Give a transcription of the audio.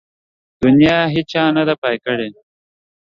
د نيا هيچا نده پاى کړې.